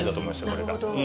これが。